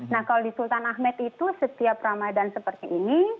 nah kalau di sultan ahmed itu setiap ramadan seperti ini